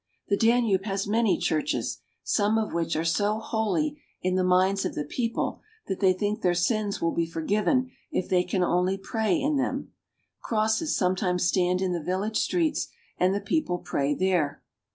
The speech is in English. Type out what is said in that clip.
The Danube has many churches, some of which are so holy in the minds of the people that they think their sins will be forgiven if they can only pray in them. Crosses sometimes stand in the village streets, and the people pray there.